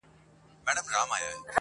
پاک پر شرعه برابر مسلمانان دي.